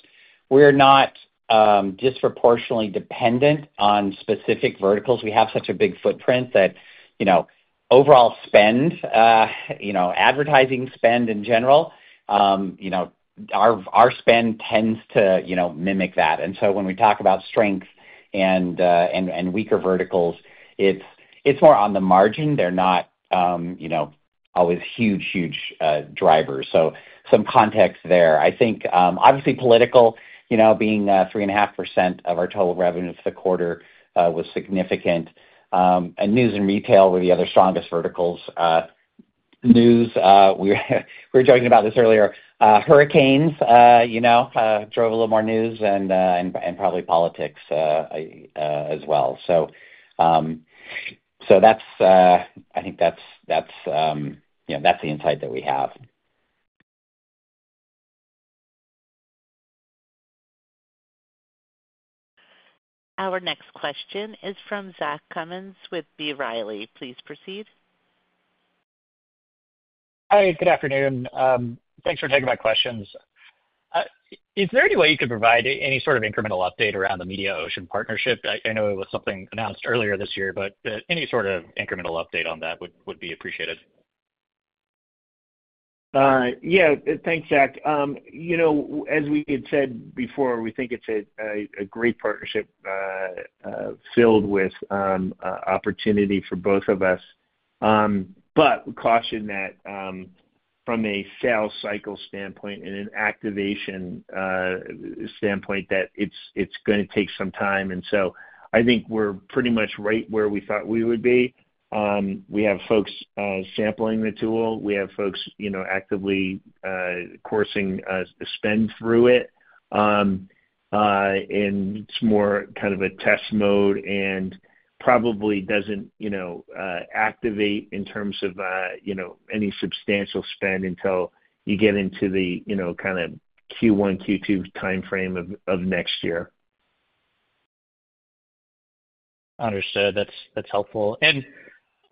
we're not disproportionately dependent on specific verticals. We have such a big footprint that overall spend, advertising spend in general, our spend tends to mimic that. And so when we talk about strength and weaker verticals, it's more on the margin. They're not always huge, huge drivers. So some context there. I think, obviously, political, being 3.5% of our total revenue for the quarter was significant. And news and retail were the other strongest verticals. News, we were joking about this earlier. Hurricanes drove a little more news and probably politics as well. So I think that's the insight that we have. Our next question is from Zach Cummins with B. Riley. Please proceed. Hi. Good afternoon. Thanks for taking my questions. Is there any way you could provide any sort of incremental update around the Mediaocean Partnership? I know it was something announced earlier this year, but any sort of incremental update on that would be appreciated. Yeah. Thanks, Zach. As we had said before, we think it's a great partnership filled with opportunity for both of us. But caution that from a sales cycle standpoint and an activation standpoint, that it's going to take some time. And so I think we're pretty much right where we thought we would be. We have folks sampling the tool. We have folks actively coursing spend through it. And it's more kind of a test mode and probably doesn't activate in terms of any substantial spend until you get into the kind of Q1, Q2 timeframe of next year. Understood. That's helpful. And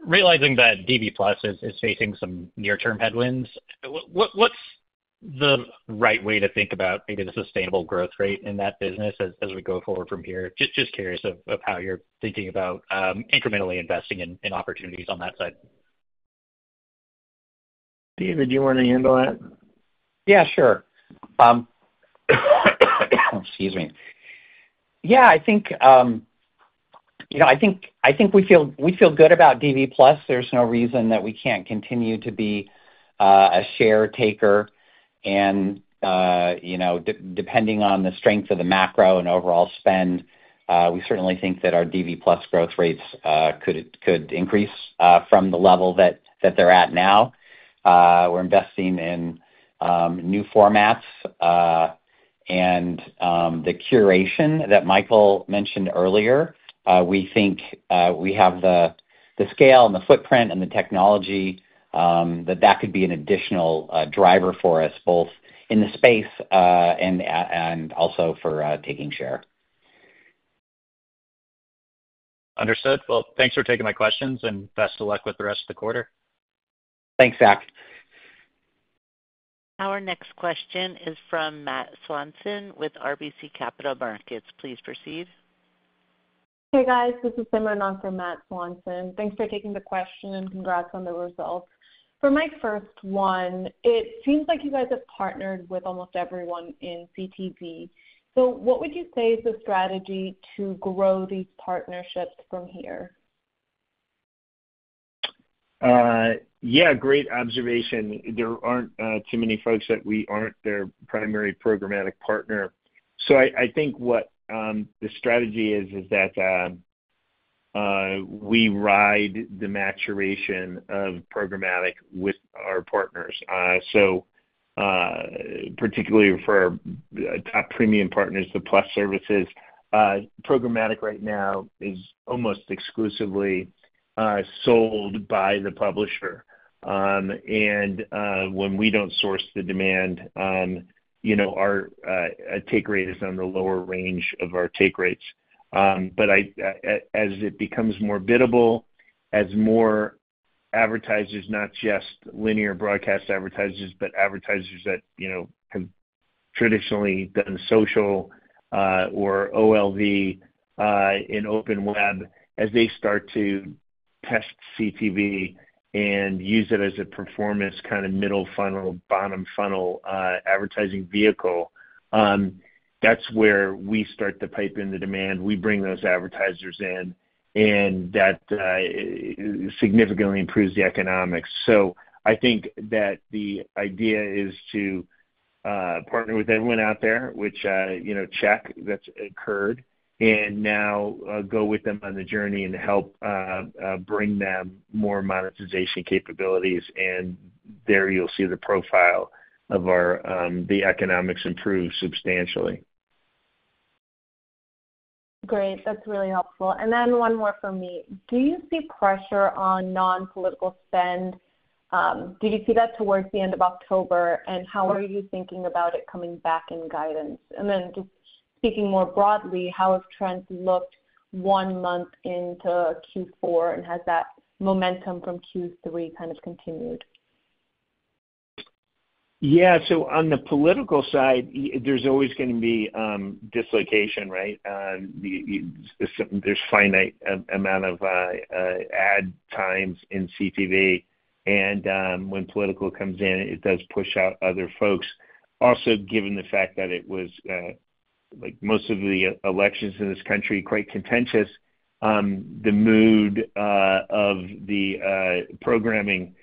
realizing that DV+ is facing some near-term headwinds, what's the right way to think about maybe the sustainable growth rate in that business as we go forward from here? Just curious of how you're thinking about incrementally investing in opportunities on that side. David, do you want to handle that? Yeah. Sure. Excuse me. Yeah. I think we feel good about DV+. There's no reason that we can't continue to be a share taker. And depending on the strength of the macro and overall spend, we certainly think that our DV+ growth rates could increase from the level that they're at now. We're investing in new formats. And the curation that Michael mentioned earlier, we think we have the scale and the footprint and the technology that that could be an additional driver for us both in the space and also for taking share. Understood. Well, thanks for taking my questions and best of luck with the rest of the quarter. Thanks, Zach. Our next question is from Matt Swanson with RBC Capital Markets. Please proceed. Hey, guys. This is Simran from Matt Swanson. Thanks for taking the question. Congrats on the results. For my first one, it seems like you guys have partnered with almost everyone in CTV. So what would you say is the strategy to grow these partnerships from here? Yeah. Great observation. There aren't too many folks that we aren't their primary programmatic partner. So I think what the strategy is, that we ride the maturation of programmatic with our partners. So particularly for top premium partners, the Plus services, programmatic right now is almost exclusively sold by the publisher. And when we don't source the demand, our take rate is on the lower range of our take rates. But as it becomes more biddable, as more advertisers, not just linear broadcast advertisers, but advertisers that have traditionally done social or OLV in OpenWeb, as they start to test CTV and use it as a performance kind of middle funnel, bottom funnel advertising vehicle, that's where we start to pipe in the demand. We bring those advertisers in, and that significantly improves the economics. I think that the idea is to partner with everyone out there, which, check, that's occurred, and now go with them on the journey and help bring them more monetization capabilities. And there you'll see the profile of the economics improve substantially. Great. That's really helpful. And then one more from me. Do you see pressure on non-political spend? Did you see that towards the end of October? And how are you thinking about it coming back in guidance? And then just speaking more broadly, how have trends looked one month into Q4? And has that momentum from Q3 kind of continued? Yeah. So on the political side, there's always going to be dislocation, right? There's a finite amount of ad times in CTV. And when political comes in, it does push out other folks. Also, given the fact that it was, like most of the elections in this country, quite contentious, the mood of the programming,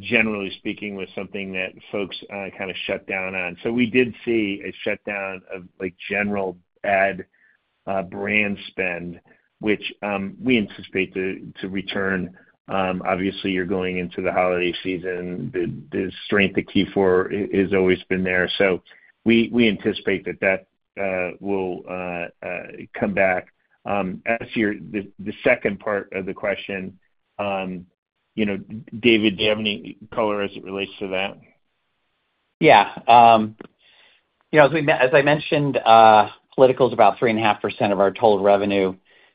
generally speaking, was something that folks kind of shut down on. So we did see a shutdown of general ad brand spend, which we anticipate to return. Obviously, you're going into the holiday season. The strength of Q4 has always been there. So we anticipate that that will come back. The second part of the question, David, do you have any color as it relates to that? Yeah. As I mentioned, political is about 3.5% of our total revenue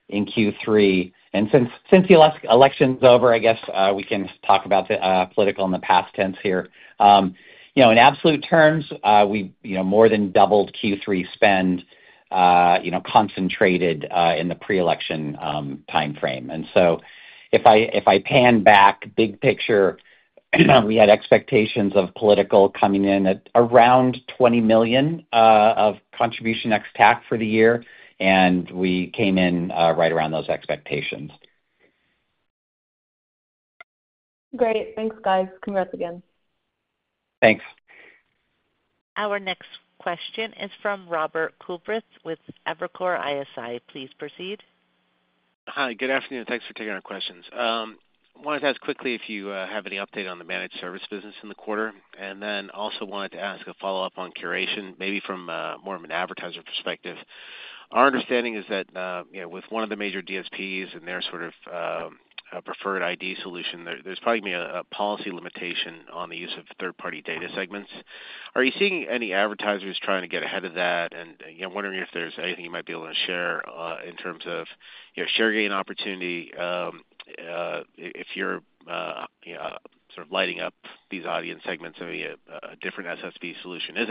in Q3. And since the election's over, I guess we can talk about political in the past tense here. In absolute terms, we more than doubled Q3 spend concentrated in the pre-election timeframe. And so if I pan back, big picture, we had expectations of political coming in at around 20 million of contribution ex-TAC for the year. And we came in right around those expectations. Great. Thanks, guys. Congrats again. Thanks. Our next question is from Robert Coolbrith with Evercore ISI. Please proceed. Hi. Good afternoon. Thanks for taking our questions. I wanted to ask quickly if you have any update on the managed service business in the quarter. And then also wanted to ask a follow-up on curation, maybe from more of an advertiser perspective. Our understanding is that with one of the major DSPs and their sort of preferred ID solution, there's probably going to be a policy limitation on the use of third-party data segments. Are you seeing any advertisers trying to get ahead of that? And I'm wondering if there's anything you might be able to share in terms of share gain opportunity if you're sort of lighting up these audience segments of a different SSP solution; is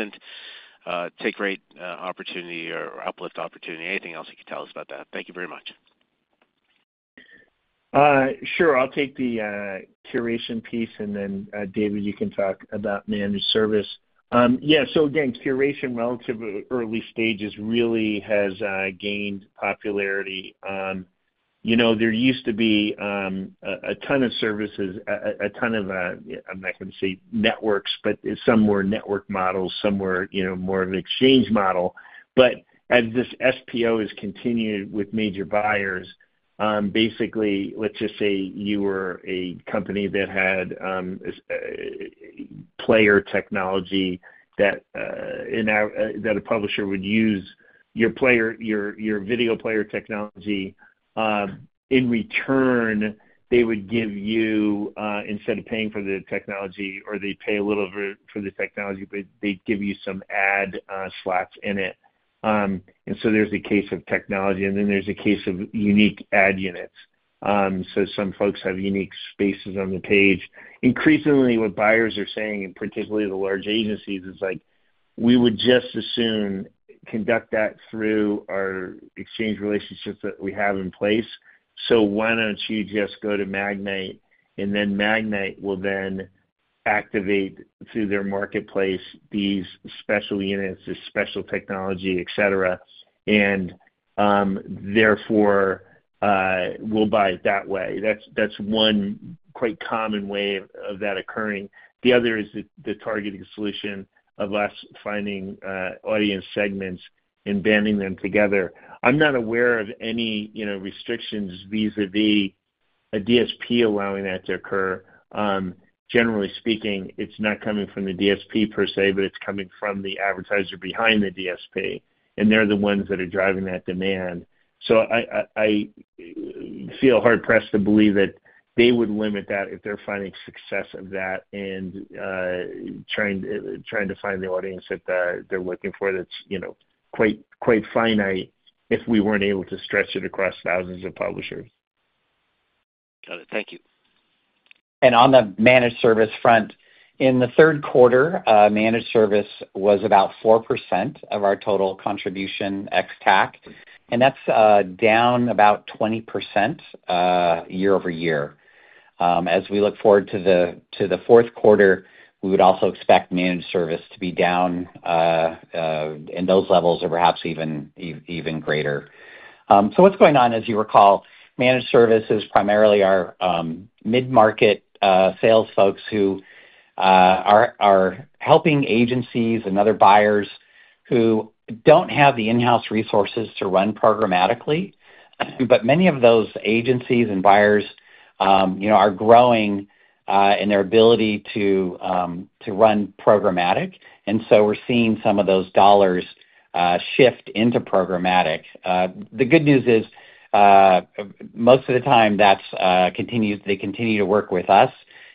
a take rate opportunity or uplift opportunity? Anything else you can tell us about that? Thank you very much. Sure. I'll take the curation piece. And then, David, you can talk about managed service. Yeah. So again, curation relative to early stages really has gained popularity. There used to be a ton of services, a ton of. I'm not going to say networks, but some were network models, some were more of an exchange model. But as this SPO has continued with major buyers, basically, let's just say you were a company that had player technology that a publisher would use, your video player technology. In return, they would give you, instead of paying for the technology, or they'd pay a little for the technology, but they'd give you some ad slots in it. And so there's a case of technology. And then there's a case of unique ad units. So some folks have unique spaces on the page. Increasingly, what buyers are saying, and particularly the large agencies, is like, "We would just as soon conduct that through our exchange relationships that we have in place. So why don't you just go to Magnite?" And then Magnite will then activate through their marketplace these special units, this special technology, etc. And therefore, we'll buy it that way. That's one quite common way of that occurring. The other is the targeted solution of us finding audience segments and banding them together. I'm not aware of any restrictions vis-à-vis a DSP allowing that to occur. Generally speaking, it's not coming from the DSP per se, but it's coming from the advertiser behind the DSP. And they're the ones that are driving that demand. So I feel hard-pressed to believe that they would limit that if they're finding success of that and trying to find the audience that they're looking for that's quite finite if we weren't able to stretch it across thousands of publishers. Got it. Thank you. On the managed service front, in the third quarter, managed service was about 4% of our total contribution ex-TAC. And that's down about 20% year-over-year. As we look forward to the fourth quarter, we would also expect managed service to be down in those levels or perhaps even greater. What's going on, as you recall, managed service is primarily our mid-market sales folks who are helping agencies and other buyers who don't have the in-house resources to run programmatically. But many of those agencies and buyers are growing in their ability to run programmatic. And so we're seeing some of those dollars shift into programmatic. The good news is, most of the time, they continue to work with us.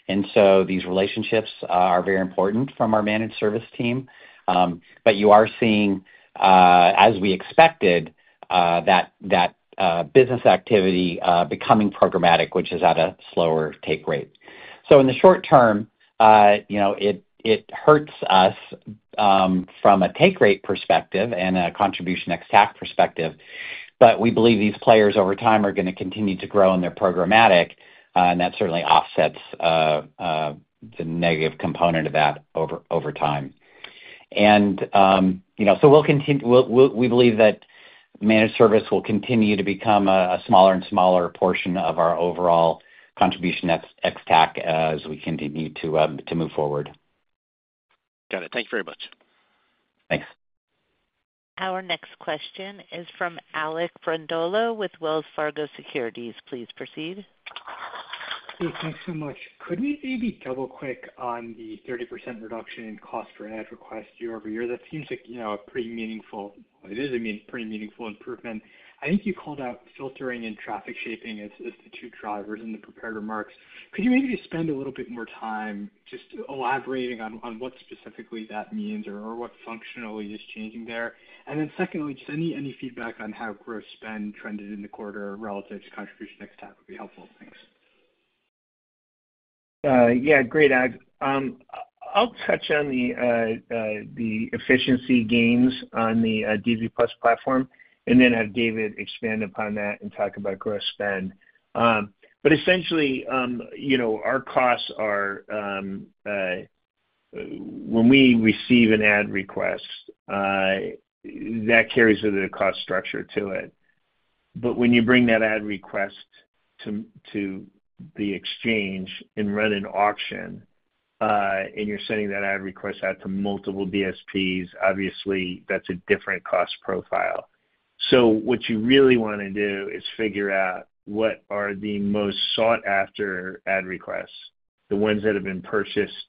And so these relationships are very important from our managed service team. But you are seeing, as we expected, that business activity becoming programmatic, which is at a slower take rate. So in the short term, it hurts us from a take rate perspective and a contribution ex-TAC perspective. But we believe these players over time are going to continue to grow in their programmatic. And that certainly offsets the negative component of that over time. And so we believe that managed service will continue to become a smaller and smaller portion of our overall contribution ex-TAC as we continue to move forward. Got it. Thank you very much. Thanks. Our next question is from Alec Brondolo with Wells Fargo Securities. Please proceed. Hey, thanks so much. Could we maybe double-click on the 30% reduction in cost for ad request year over year? That seems like a pretty meaningful, it is a pretty meaningful improvement. I think you called out filtering and traffic shaping as the two drivers in the prepared remarks. Could you maybe spend a little bit more time just elaborating on what specifically that means or what functionally is changing there? And then secondly, just any feedback on how gross spend trended in the quarter relative to contribution ex-TAC would be helpful. Thanks. Yeah. Great, Alec. I'll touch on the efficiency gains on the DV+ platform and then have David expand upon that and talk about gross spend. But essentially, our costs are when we receive an ad request, that carries with it a cost structure to it. But when you bring that ad request to the exchange and run an auction, and you're sending that ad request out to multiple DSPs, obviously, that's a different cost profile. So what you really want to do is figure out what are the most sought-after ad requests, the ones that have been purchased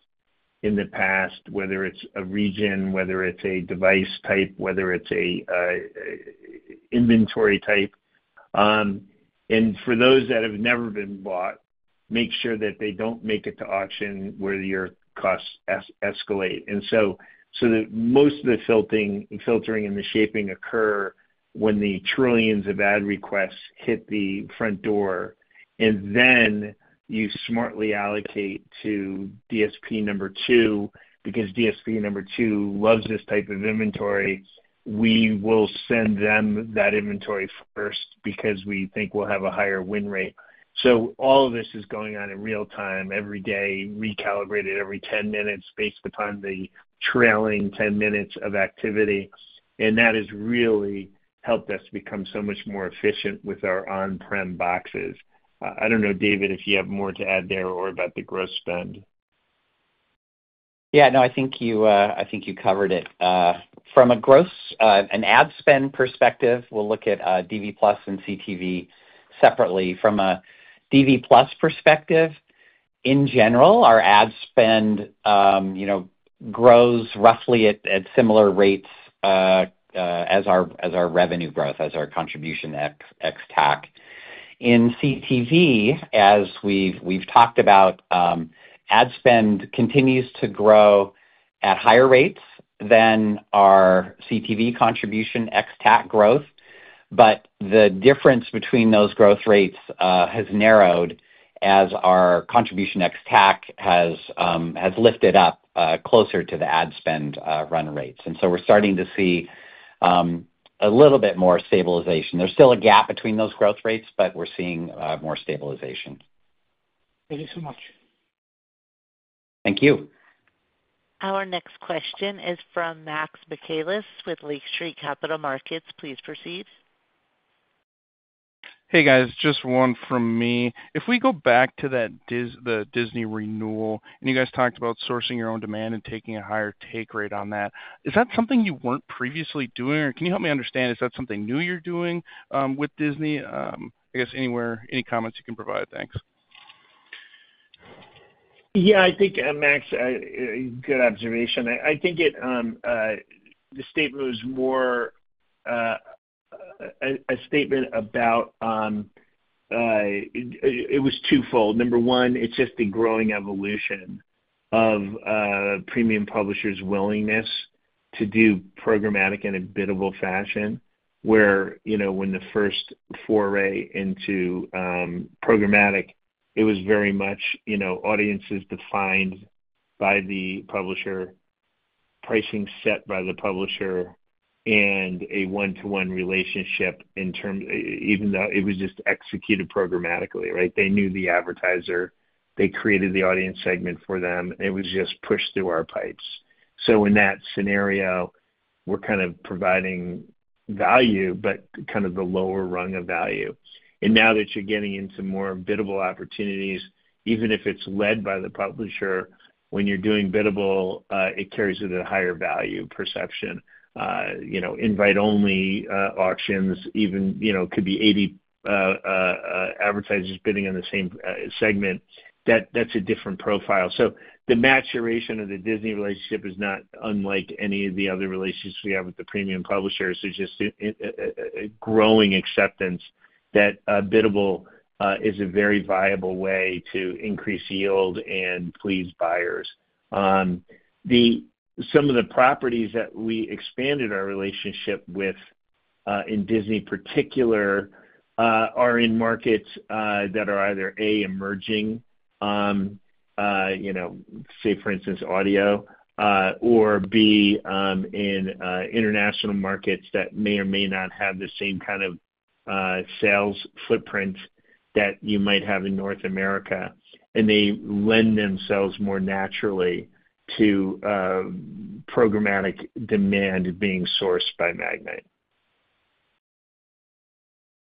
in the past, whether it's a region, whether it's a device type, whether it's an inventory type, and for those that have never been bought, make sure that they don't make it to auction where your costs escalate. And so most of the filtering and the shaping occur when the trillions of ad requests hit the front door. And then you smartly allocate to DSP number two because DSP number two loves this type of inventory. We will send them that inventory first because we think we'll have a higher win rate. So all of this is going on in real time every day, recalibrated every 10 minutes based upon the trailing 10 minutes of activity. And that has really helped us become so much more efficient with our on-prem boxes. I don't know, David, if you have more to add there or about the gross spend. Yeah. No, I think you covered it. From an ad spend perspective, we'll look at DV+ and CTV separately. From a DV+ perspective, in general, our ad spend grows roughly at similar rates as our revenue growth, as our contribution ex-TAC. In CTV, as we've talked about, ad spend continues to grow at higher rates than our CTV contribution ex-TAC growth. But the difference between those growth rates has narrowed as our contribution ex-TAC has lifted up closer to the ad spend run rates. And so we're starting to see a little bit more stabilization. There's still a gap between those growth rates, but we're seeing more stabilization. Thank you so much. Thank you. Our next question is from Max Michaelis with Lake Street Capital Markets. Please proceed. Hey, guys. Just one from me. If we go back to the Disney renewal, and you guys talked about sourcing your own demand and taking a higher take rate on that, is that something you weren't previously doing? Or can you help me understand? Is that something new you're doing with Disney? I guess any comments you can provide. Thanks. Yeah. I think, Max, good observation. I think the statement was more a statement about it was twofold. Number one, it's just the growing evolution of premium publishers' willingness to do programmatic in a biddable fashion. Where when the first foray into programmatic, it was very much audiences defined by the publisher, pricing set by the publisher, and a one-to-one relationship, even though it was just executed programmatically, right? They knew the advertiser. They created the audience segment for them. It was just pushed through our pipes. So in that scenario, we're kind of providing value, but kind of the lower rung of value. And now that you're getting into more biddable opportunities, even if it's led by the publisher, when you're doing biddable, it carries with it a higher value perception. Invite-only auctions, even could be 80 advertisers bidding on the same segment. That's a different profile. So the maturation of the Disney relationship is not unlike any of the other relationships we have with the premium publishers. It's just a growing acceptance that biddable is a very viable way to increase yield and please buyers. Some of the properties that we expanded our relationship with in Disney particular are in markets that are either A, emerging, say, for instance, audio, or B, in international markets that may or may not have the same kind of sales footprint that you might have in North America. And they lend themselves more naturally to programmatic demand being sourced by Magnite.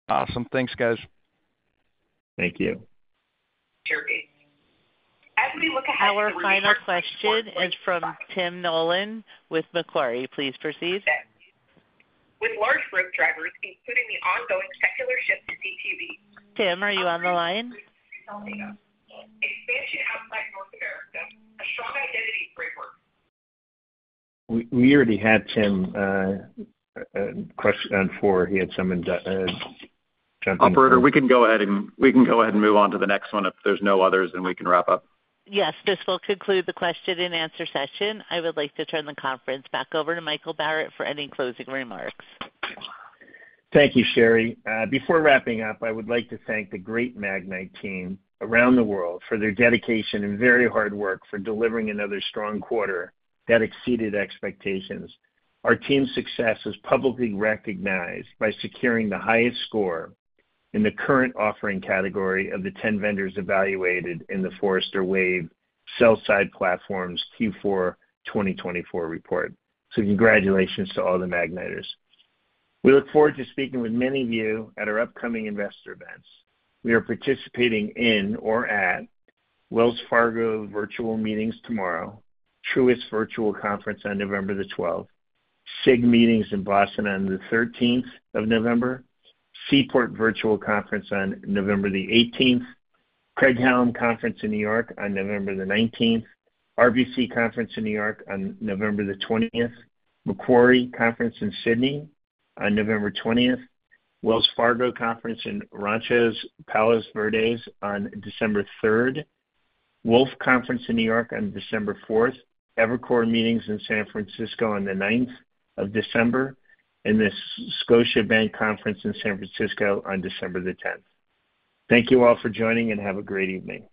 Awesome. Thanks, guys. Thank you. As we look ahead to our final question, it's from Tim Nollen with Macquarie. Please proceed. With large growth drivers, including the ongoing secular shift to CTV. Tim, are you on the line? Expansion outside North America, a strong identity framework. We already had Tim on four. He had some jumping questions. Operator, we can go ahead and move on to the next one. If there's no others, then we can wrap up. Yes. This will conclude the question and answer session. I would like to turn the conference back over to Michael Barrett for any closing remarks. Thank you, Sherry. Before wrapping up, I would like to thank the great Magnite team around the world for their dedication and very hard work for delivering another strong quarter that exceeded expectations. Our team's success is publicly recognized by securing the highest score in the current offering category of the 10 vendors evaluated in the Forrester Wave Sell-Side Platforms Q4 2024 report. So congratulations to all the Magniters. We look forward to speaking with many of you at our upcoming investor events. We are participating in or at Wells Fargo Virtual Meetings tomorrow, Truist Virtual Conference on November the 12th, SIG Meetings in Boston on the 13th of November, Seaport Virtual Conference on November the 18th, Craig-Hallum Conference in New York on November the 19th, RBC Conference in New York on November the 20th, Macquarie Conference in Sydney on November 20th, Wells Fargo Conference in Rancho Palos Verdes on December 3rd, Wolfe Conference in New York on December 4th, Evercore Meetings in San Francisco on the 9th of December, and the Scotiabank Conference in San Francisco on December the 10th. Thank you all for joining and have a great evening.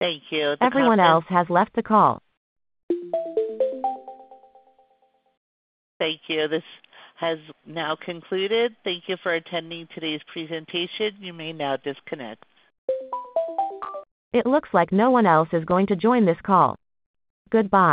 Thank you. Everyone else has left the call. Thank you. This has now concluded. Thank you for attending today's presentation. You may now disconnect. It looks like no one else is going to join this call. Goodbye.